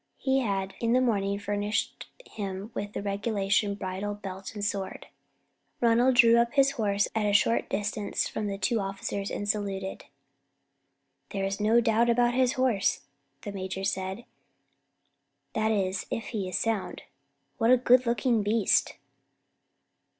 He had in the morning furnished him with the regulation bridle, belt, and sword. Ronald drew up his horse at a short distance from the two officers and saluted. "There's no doubt about his horse," the major said, "that is if he is sound. What a good looking beast!"